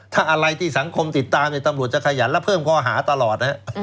ถ้าอะไรที่สังคมติดตามตำรวจจะขยันและเพิ่มข้อหาตลอดนะฮะ